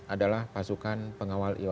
adalah pasukan pengawal